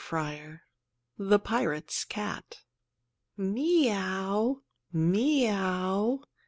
III THE PIRATE'S CAT "ME OW! me ow!"